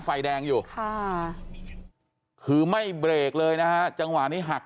ไฟแดงอยู่ค่ะคือไม่เบรกเลยนะฮะจังหวะนี้หัก